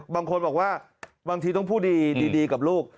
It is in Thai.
บางคนบอกว่าบางทีต้องพูดดีกับลูก